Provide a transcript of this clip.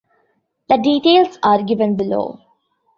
The details are given below.